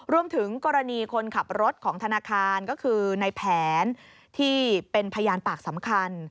รวมถึงกรณีคนขับรถของธนาคารก็คือในแผนที่เป็นพยานปากสำคัญ